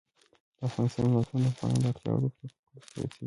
د افغانستان ولايتونه د افغانانو د اړتیاوو د پوره کولو وسیله ده.